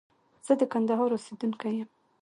زه د کندهار اوسيدونکي يم.